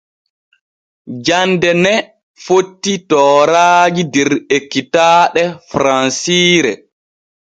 Jande ne fotti tooraaji der ekkitaaɗe faransiire.